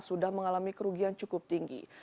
sudah mengalami kerugian cukup tinggi